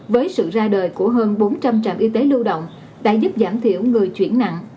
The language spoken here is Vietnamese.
với sự ra đời của hơn bốn trăm linh trạm y tế lưu động đã giúp giảm thiểu người chuyển nặng